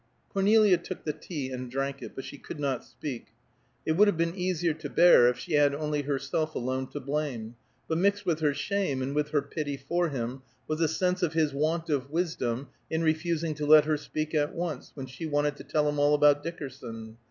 Cornelia look the tea and drank it, but she could not speak. It would have been easier to bear if she had only had herself alone to blame, but mixed with her shame, and with her pity for him, was a sense of his want of wisdom in refusing to let her speak at once, when she wanted to tell him all about Dickerson.